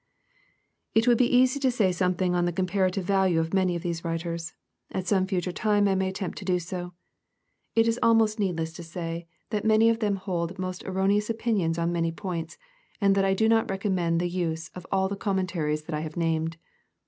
It would be easy to say something on the comparative value of many of these writers. At some future time I may attempt to do so. It is almost needless to say that i flU PBEFACE. many of them hold most erroneous opinions on many points, and that I do not recommend the use of all the commentaries that I have named.